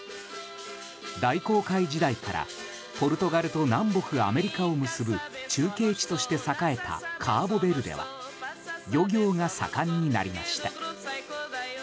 大航海時代からポルトガルと南北アメリカを結ぶ中継地として栄えたカーボベルデは漁業が盛んになりました。